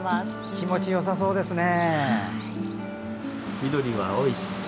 気持ちよさそうですね。